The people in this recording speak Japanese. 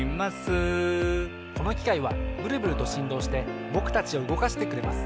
このきかいはブルブルとしんどうしてぼくたちをうごかしてくれます。